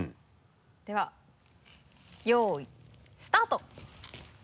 ではよいスタート！